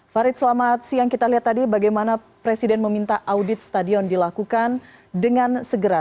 farid selamat siang kita lihat tadi bagaimana presiden meminta audit stadion dilakukan dengan segera